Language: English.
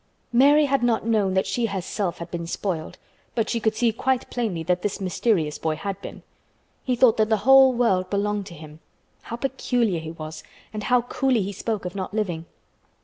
Mary had not known that she herself had been spoiled, but she could see quite plainly that this mysterious boy had been. He thought that the whole world belonged to him. How peculiar he was and how coolly he spoke of not living.